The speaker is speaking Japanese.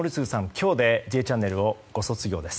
今日で「Ｊチャンネル」をご卒業です。